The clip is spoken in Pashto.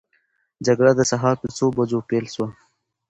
جګړه د سهار په څو بجو پیل سوه؟